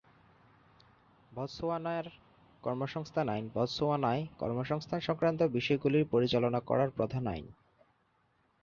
বতসোয়ানার কর্মসংস্থান আইন বতসোয়ানায় কর্মসংস্থান-সংক্রান্ত বিষয়গুলি পরিচালনা করার প্রধান আইন।